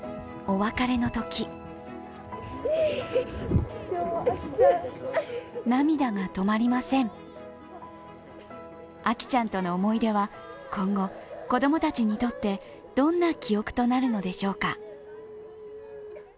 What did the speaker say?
あきちゃんとの思い出は今後子供たちにとってどんな記憶となるのでしょうか。